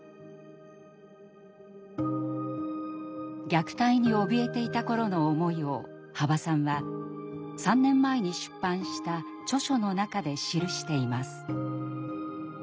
虐待におびえていた頃の思いを羽馬さんは３年前に出版した著書の中で記しています。